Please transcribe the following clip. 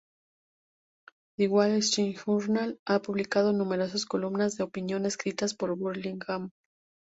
The"Wall Street Journal" ha publicado numerosas columnas de opinión escritas por Burlingame.